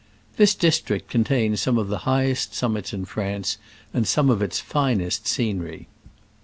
This district contains the highest sum mits in France, and some of its finest scenery.